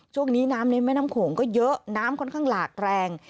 ช่วงนี้น้ำในแม่น้ำโขงก็เยอะน้ำค่อนข้างหลากแรง